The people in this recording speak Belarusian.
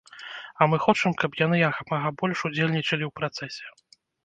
А мы хочам, каб яны як мага больш ўдзельнічалі ў працэсе.